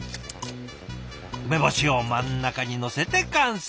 梅干しを真ん中に載せて完成。